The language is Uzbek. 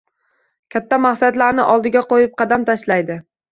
Katta maqsadlarni oldiga qoʻyib qadam tashlaydi.